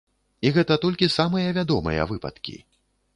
І гэта толькі самыя вядомыя выпадкі.